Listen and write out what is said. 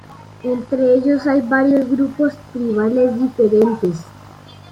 Entre ellos hay varios grupos tribales diferentes.